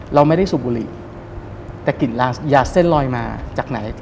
เราไม่ได้สูบบุหรี่แต่กลิ่นยาเส้นลอยมาจากไหน